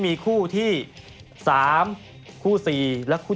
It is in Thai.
พี่แดงก็พอสัมพันธ์พูดเลยนะครับ